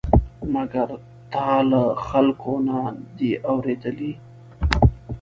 مګر تا له خلکو نه دي اورېدلي؟